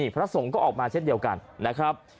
พระสงฆ์ก็ออกมาเช่นเดียวกันนะครับ